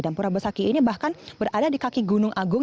dan pura besaki ini bahkan berada di kaki gunung agung